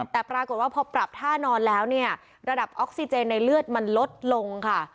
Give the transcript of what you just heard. แต่ปรากฏว่าพอปรับท่านอนแล้วเนี่ยระดับออกซิเจนในเลือดมันลดลงค่ะ